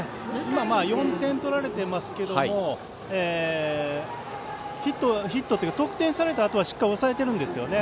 ４点取られていますがヒットというか得点されたあとはしっかり抑えているんですね。